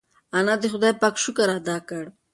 انا د خدای پاک شکر ادا کړ.